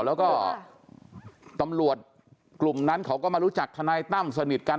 แล้วก็ตำรวจกลุ่มนั้นเขาก็มารู้จักทนายตั้มสนิทกัน